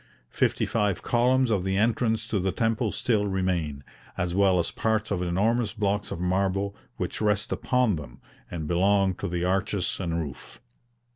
Fifty five columns of the entrance to the temple still remain, as well as parts of enormous blocks of marble which rest upon them, and belonged to the arches and roof.